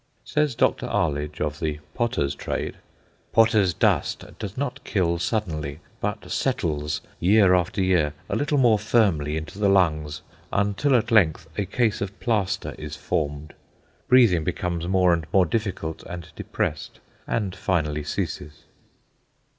Says Dr. Arlidge, of the potter's trade: "Potter's dust does not kill suddenly, but settles, year after year, a little more firmly into the lungs, until at length a case of plaster is formed. Breathing becomes more and more difficult and depressed, and finally ceases."